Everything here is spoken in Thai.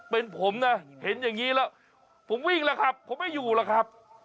เป็นผมนะเห็นอย่างนี้แล้วผมวิ่งแล้วครับผมไม่อยู่หรอกครับ